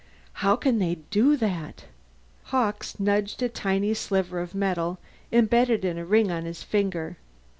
"How can they do that?" Hawkes nudged a tiny sliver of metal embedded in a ring on his finger.